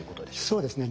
そうですね。